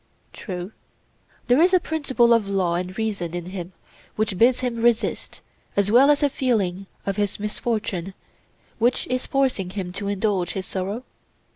True. There is a principle of law and reason in him which bids him resist, as well as a feeling of his misfortune which is forcing him to indulge his sorrow?